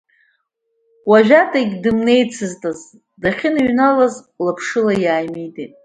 Уажәадагьы дымнеицызт азы, дахьыныҩналаз лаԥшыла иааимидеит.